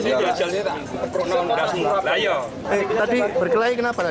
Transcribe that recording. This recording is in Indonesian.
tauuran yang diperlukan oleh tawuran